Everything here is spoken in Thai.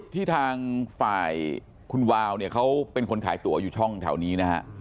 ที่ทางฝ่าอยู่จุดที่คุณวาลขายตัวช่องนี้